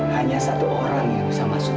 hanya satu orang yang bisa masuk